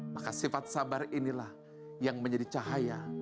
maka sifat sabar inilah yang menjadi cahaya